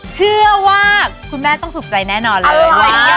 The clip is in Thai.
เชื่อว่าคุณแม่ต้องถูกใจแน่นอนเลย